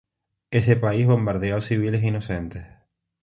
Ese país bombardeó a civiles inocentes.